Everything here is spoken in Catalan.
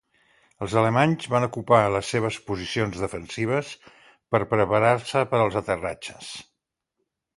Els alemanys van ocupar les seves posicions defensives per preparar-se per als aterratges.